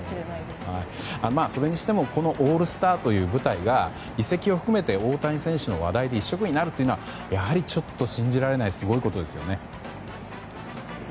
それにしてもこのオールスターという舞台が移籍を含めて大谷選手の話題一色になるというのはやはりちょっと信じられないすごいことですよね。